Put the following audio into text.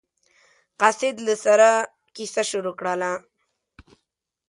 قاصد له سره کیسه شروع کړله.